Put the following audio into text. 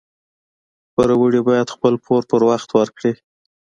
پوروړي باید خپل پور په وخت ورکړي